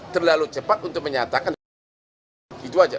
terlalu cepat untuk menyatakan pg pelakunya